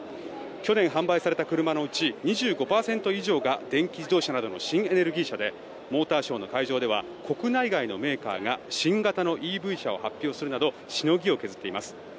去年販売された車のうち２５％以上が電気自動車などの新エネルギー車でモーターショーの会場では国内外のメーカーが新型のＥＶ車を発表するなどしのぎを削っています。